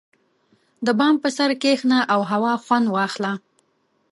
• د بام پر سر کښېنه او هوا خوند واخله.